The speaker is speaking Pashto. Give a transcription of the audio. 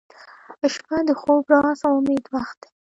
• شپه د خوب، راز، او امید وخت دی